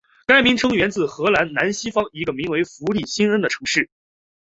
该名称源自荷兰西南方的一个名为弗利辛恩的城市。